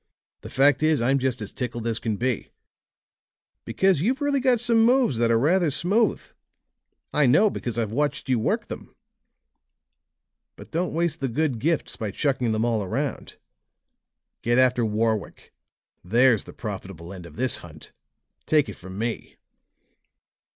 The fact is, I'm just as tickled as can be, because you've really got some moves that are rather smooth. I know, because I've watched you work them. But don't waste the good gifts by chucking them all around. Get after Warwick; there's the profitable end of this hunt; take it from me!"